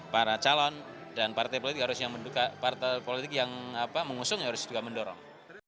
para calon dan partai politik yang mengusung yang harus juga mendorong